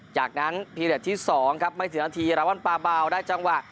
จากนั้นพิเศษที่๒ครับไม่ถึงนาทีระวังปลาเบาได้จังหวะ